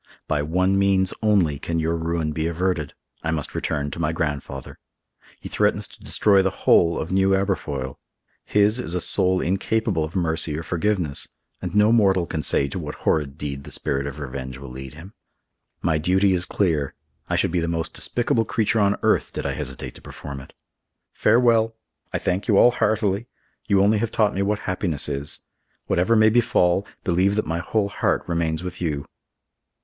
By one means only can your ruin be averted; I must return to my grandfather. He threatens to destroy the whole of New Aberfoyle. His is a soul incapable of mercy or forgiveness, and no mortal can say to what horrid deed the spirit of revenge will lead him. My duty is clear; I should be the most despicable creature on earth did I hesitate to perform it. Farewell! I thank you all heartily. You only have taught me what happiness is. Whatever may befall, believe that my whole heart remains with you."